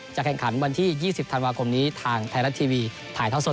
แข่งขันวันที่๒๐ธันวาคมนี้ทางไทยรัฐทีวีถ่ายท่อสด